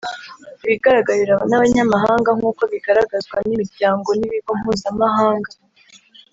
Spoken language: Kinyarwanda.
ibigaragarira n’abanyamahanga nk’uko bigaragazwa n’imiryango n’ibigo mpuzamahanga